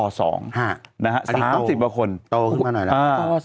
อันนี้โตสามสิบกว่าคนโตขึ้นมาหน่อยแล้ว